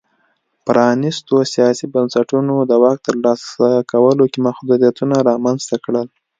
پرانیستو سیاسي بنسټونو د واک ترلاسه کولو کې محدودیتونه رامنځته کړل.